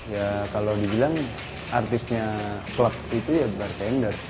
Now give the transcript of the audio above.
ya kalau dibilang artisnya klub itu ya bartender